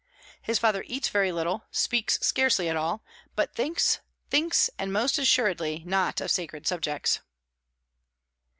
His father eats very little, speaks scarcely at all, but thinks, thinks and most assuredly not of sacred subjects.